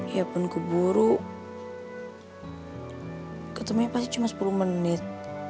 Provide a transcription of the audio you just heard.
ya pun keburu ketemunya pasti cuma sepuluh menit